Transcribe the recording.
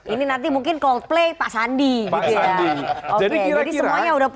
ini nanti mungkin coldplay pak sandi gitu ya